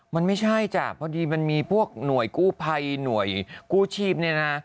มันไม่ใช่จ้ะพอดีมันมีพวกหน่วยกู้ภัยหน่วยกู้ชีพเนี่ยนะ